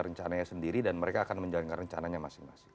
mereka akan berpikir sendiri dan mereka akan menjalankan rencananya masing masing